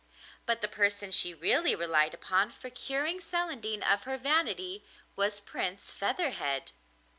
But the person she really relied upon for curing Celandine of her vanity was Prince Featherhead.